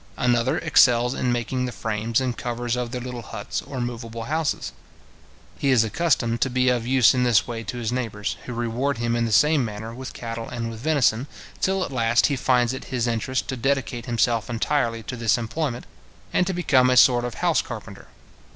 Another excels in making the frames and covers of their little huts or moveable houses. He is accustomed to be of use in this way to his neighbours, who reward him in the same manner with cattle and with venison, till at last he finds it his interest to dedicate himself entirely to this employment, and to become a sort of house carpenter.